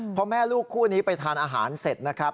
พอแม่ลูกคู่นี้ไปทานอาหารเสร็จนะครับ